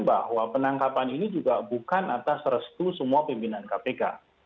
bahwa penangkapan ini juga bukan atas restu semua pimpinan kpk